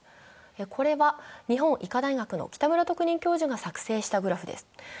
これは日本医科大学の北村特任教授が作成したグラフです。